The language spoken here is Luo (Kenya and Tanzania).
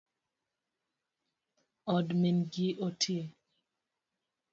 Od min gi otii